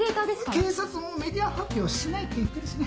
警察もメディア発表しないって言ってるしね。